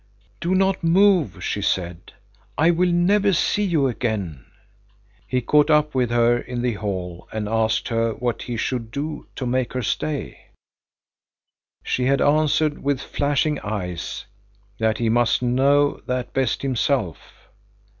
"Do not move!" she said. "I will never see you again." He caught up with her in the hall and asked her what he should do to make her stay. She had answered with flashing eyes that he must know that best himself.